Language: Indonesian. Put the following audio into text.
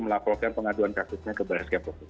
melaporkan pengaduan praktiknya ke baris kempoli